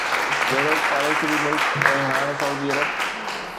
جهڙوڪ پاڙيسري ملڪ ۽ هاڻ سعودي عرب